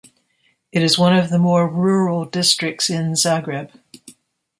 It is one of the more rural districts in Zagreb.